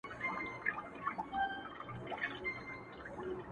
سوچه کاپیر وم چي راتلم تر میخانې پوري ـ